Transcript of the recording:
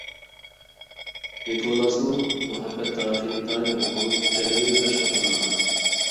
نىكولاسنىڭ مۇھەببەت تارىخى ئىنتايىن مول بولۇپ، جەمئىي بەش خوتۇن ئالغان.